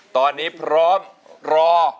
ตอนนี้พร้อมรอ